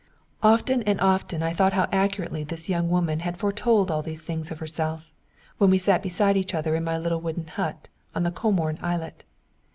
Often and often I thought how accurately this young woman had foretold all these things of herself when we sat beside each other in my little wooden hut on the Comorn islet.